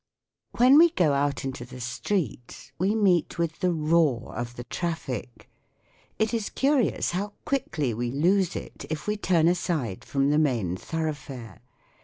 When we go out into the street we meet with the roar of the traffic. It is curious how quickly we lose it if we turn aside from the main thoroughfare.